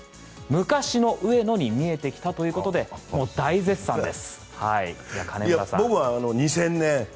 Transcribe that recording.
昔の上野に見えてきたということで大絶賛です。